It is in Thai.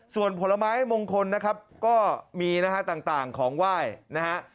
ส่วนผลไม้มงคลนะครับก็มีนะฮะต่างของไหว้นะฮะ